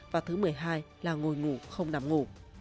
và thứ mười hai là ngồi ngủ không nằm ngủ